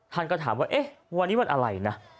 ท่านก็ถามว่าเอ๊ะวันนี้วันอะไรนะ